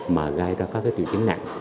mà gai ra các triệu chiếm nặng